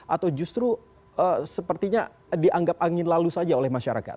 atau justru sepertinya dianggap angin lalu saja oleh masyarakat